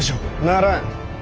ならん！